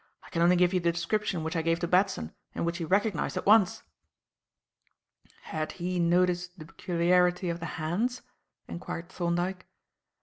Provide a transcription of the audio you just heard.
I can only give you the description which I gave to Batson and which he recognized at once." "Had he noticed the peculiarity of the hands?" enquired Thorndyke.